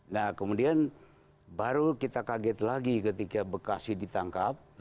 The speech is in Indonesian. nah kemudian baru kita kaget lagi ketika bekasi ditangkap